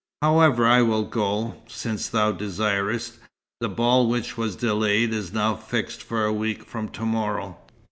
However, I will go, since thou desirest. The ball, which was delayed, is now fixed for a week from to morrow.